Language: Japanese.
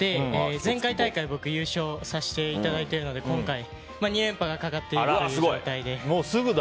前回大会、僕優勝させていただいているので今回２連覇がかかっている状態で。